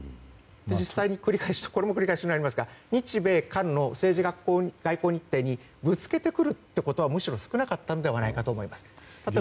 実際にこれも繰り返しになりますが日米韓の政治外交日程にぶつけてくるってことはむしろ少なかったのではないかと思います。